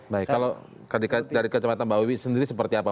baik kalau dari kecepatan mbak wibi sendiri seperti apa